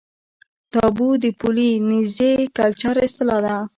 تابو د پولي نیزي کلچر اصطلاح ده.